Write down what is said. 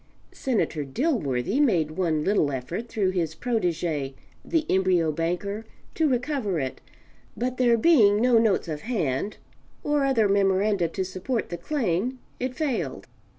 Senator Dilworthy made one little effort through his protege the embryo banker to recover it, but there being no notes of hand or, other memoranda to support the claim, it failed.